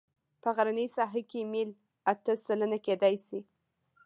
په غرنۍ ساحه کې میل اته سلنه کیدی شي